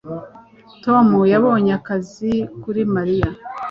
Tom yabonye akazi kuri Mariya